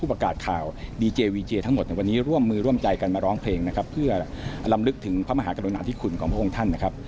เพื่อลำลึกถึงพระมหากรณานที่ขุนของพระองค์ท่านนะครับ